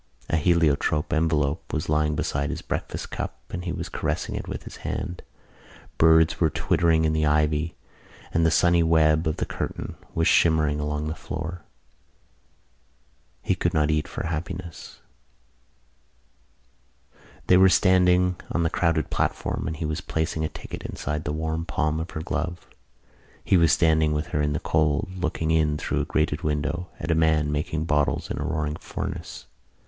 A heliotrope envelope was lying beside his breakfast cup and he was caressing it with his hand. Birds were twittering in the ivy and the sunny web of the curtain was shimmering along the floor: he could not eat for happiness. They were standing on the crowded platform and he was placing a ticket inside the warm palm of her glove. He was standing with her in the cold, looking in through a grated window at a man making bottles in a roaring furnace.